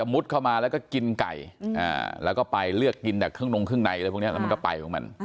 มุดเข้ามากินไก่ไปเลือกกินจากข้างลงข้างในแล้วมันก็ไป